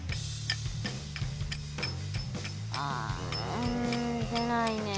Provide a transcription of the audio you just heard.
ああでないね。